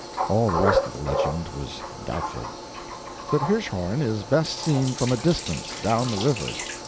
All the rest of the legend was doubtful. But Hirschhorn is best seen from a distance, down the river.